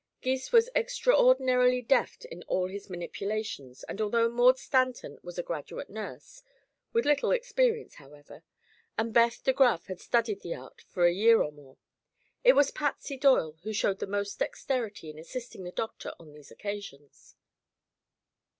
Gys was extraordinarily deft in all his manipulations and although Maud Stanton was a graduate nurse with little experience, however and Beth De Graf had studied the art for a year or more, it was Patsy Doyle who showed the most dexterity in assisting the doctor on these occasions.